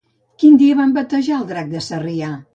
Quin dia van batejar el Drac de Sarrià?